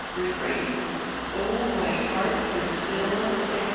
Refrain Oh, my heart is filled, etc.